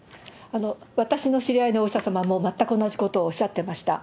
私の知り合いのお医者様も、全く同じことをおっしゃってました。